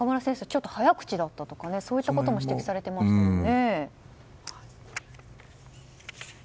ちょっと早口だったとかそういったことも指摘されてましたね。